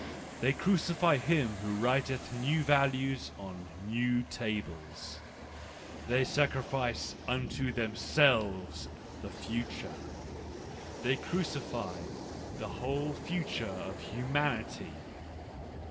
" They crucify him who writeth new values on new tables; they sacrifice unto themselves the future; they crucify the whole future of humanity